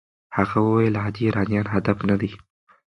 هغه وویل عادي ایرانیان هدف نه دي.